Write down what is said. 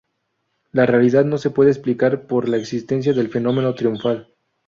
la realidad no se puede explicar por la existencia del fenómeno triunfal